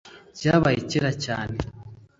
byabaye kera cyane